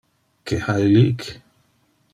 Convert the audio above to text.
Que ha illic?